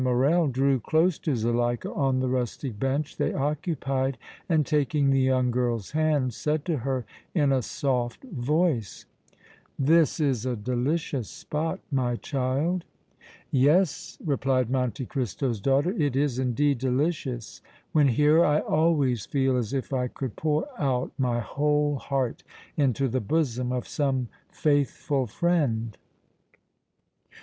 Morrel drew close to Zuleika on the rustic bench they occupied and, taking the young girl's hand, said to her, in a soft voice: "This is a delicious spot, my child." "Yes," replied Monte Cristo's daughter, "it is, indeed, delicious. When here, I always feel as if I could pour out my whole heart into the bosom of some faithful friend."